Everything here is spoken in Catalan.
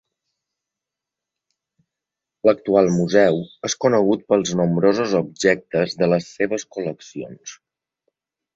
L'actual museu és conegut pels nombrosos objectes de les seves col·leccions.